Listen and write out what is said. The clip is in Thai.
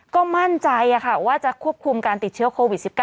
ก็มั่นใจว่าจะควบคุมการติดเชื้อโควิด๑๙